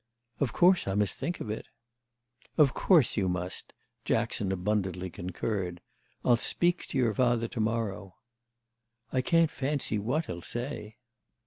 "Of course I must think of it." "Of course you must!" Jackson abundantly concurred. "I'll speak to your father to morrow." "I can't fancy what he'll say."